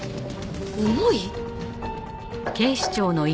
重い？